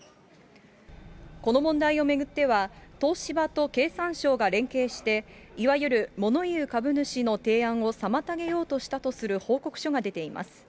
この問題を巡っては、東芝と経産省が連携して、いわゆるもの言う株主の提案を妨げようとしたとする報告書が出ています。